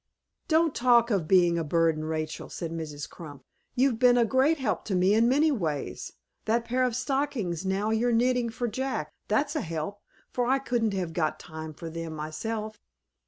"Don't talk of being a burden, Rachel," said Mrs. Crump. "You've been a great help to me in many ways. That pair of stockings now you're knitting for Jack that's a help, for I couldn't have got time for them myself."